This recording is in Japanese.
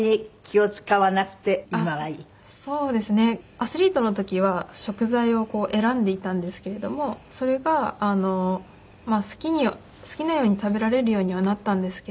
アスリートの時は食材を選んでいたんですけれどもそれが好きなように食べられるようにはなったんですけど。